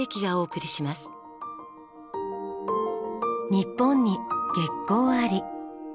日本に「月光」あり。